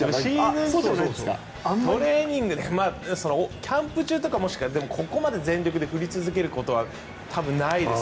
トレーニングキャンプ中とかもしくはここまで全力で振り続けることは多分ないです。